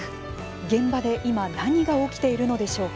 現場で今何が起きているのでしょうか。